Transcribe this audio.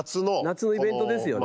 夏のイベントですよね。